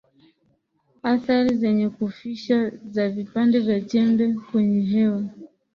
Athari zenye Kufisha za Vipande vya Chembe kwenye Hewa